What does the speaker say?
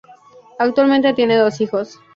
Actualmente tiene dos hijos.